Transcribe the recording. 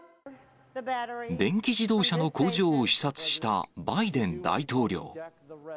電気自動車の工場を視察したバイデン大統領。